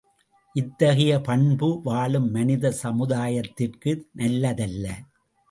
இத்தகைய பண்பு, வாழும் மனித சமுதாயத்திற்கு நல்லதல்ல.